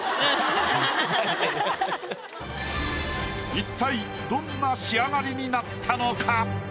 一体どんな仕上がりになったのか？